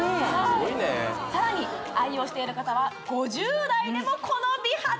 スゴいねさらに愛用している方は５０代でもこの美肌！